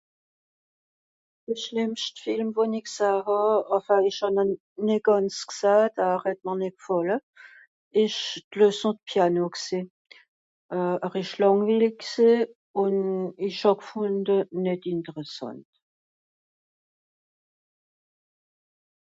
de schlemmscht film won'i gsahn hà enfin àwer esch hàn'r nìt gànz g'sàhn da er hett mr nìt g'fàlle esch d'leçon de piano gsé euh ar esch làngweillig gsé ùn esch hàb gfùnde nìt interessesànt